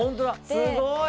すごい！